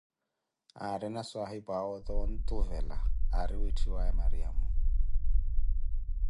Aarina swahiphuʼawe oto wontuvela aari wiitthiwaaye Mariamo.